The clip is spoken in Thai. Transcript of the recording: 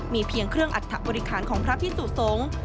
มีเพียงเครื่องอัตภบริการของพระพิสุทธิ์ทรง